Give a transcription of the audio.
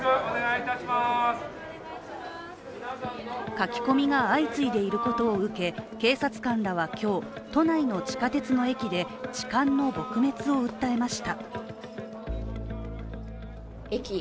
書き込みが相次いでいることを受け警察官らは今日、都内の地下鉄の駅で痴漢の撲滅を訴えました。